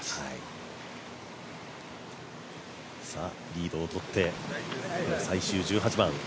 リードを取って、最終１８番。